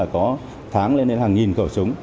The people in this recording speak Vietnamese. có tháng lên hàng nghìn cầu súng